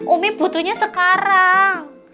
umi petunya sekarang